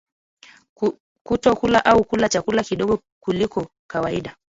Kutokula au kula chakula kidogo kuliko kawaida